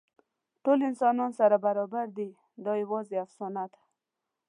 ټول انسانان سره برابر دي، دا یواځې افسانه ده.